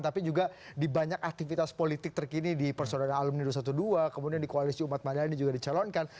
tapi juga di banyak aktivitas politik terkini di persaudaraan alumni dua ratus dua belas kemudian di koalisi umat madani juga dicalonkan